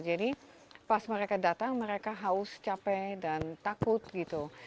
jadi pas mereka datang mereka haus capek dan takut gitu